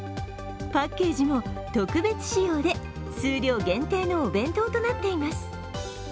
パッケージも特別仕様で数量限定のお弁当となっています。